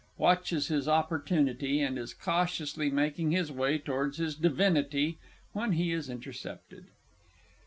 [_Watches his opportunity, and is cautiously making his way towards his divinity, when he is intercepted.